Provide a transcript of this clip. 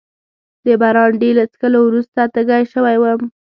د برانډي له څښلو وروسته تږی شوی وم.